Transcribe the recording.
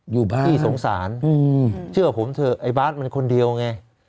อยู่บ้านพี่สงสารเชื่อผมเถอะไอ้บาสมันคนเดียวไง